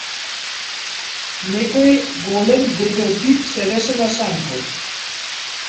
Некој голем, дебел тип седеше на шанкот.